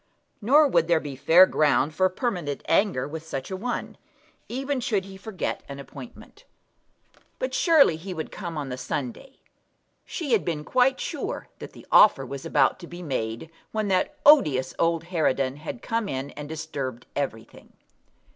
Nor would there be fair ground for permanent anger with such a one, even should he forget an appointment. But surely he would come on the Sunday! She had been quite sure that the offer was about to be made when that odious old harridan had come in and disturbed everything.